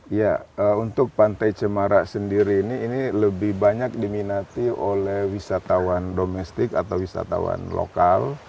iya untuk pantai cemara sendiri ini lebih banyak diminati oleh wisatawan domestik atau wisatawan lokal